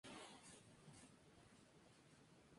La receta varía mucho de una casa a otra.